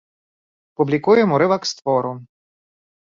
Публікуем урывак з твору.